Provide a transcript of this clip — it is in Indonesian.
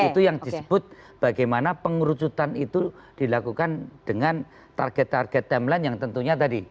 itu yang disebut bagaimana pengerucutan itu dilakukan dengan target target timeline yang tentunya tadi